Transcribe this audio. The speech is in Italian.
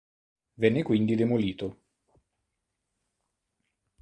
Venne quindi demolito.